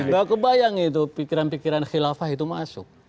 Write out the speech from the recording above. bahwa kebayang itu pikiran pikiran khilafah itu masuk